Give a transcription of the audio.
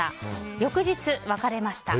翌日、別れました。